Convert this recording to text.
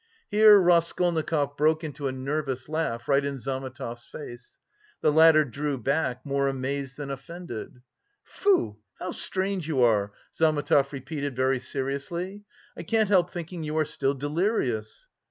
Here Raskolnikov broke into a nervous laugh right in Zametov's face. The latter drew back, more amazed than offended. "Foo! how strange you are!" Zametov repeated very seriously. "I can't help thinking you are still delirious."